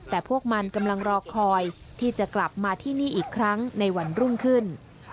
แต่พวกมันกำลังรอคอยที่จะกลับมาที่นี่อีกครั้งในวันรุ่งขึ้น